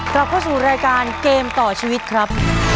กลับเข้าสู่รายการเกมต่อชีวิตครับ